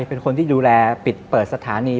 เป็นคนที่ดูแลปิดเปิดสถานี